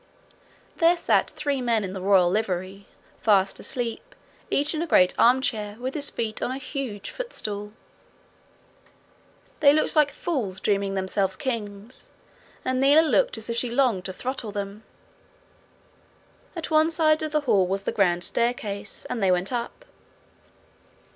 There sat three men in the royal livery, fast asleep, each in a great armchair, with his feet on a huge footstool. They looked like fools dreaming themselves kings; and Lina looked as if she longed to throttle them. At one side of the hall was the grand staircase, and they went up.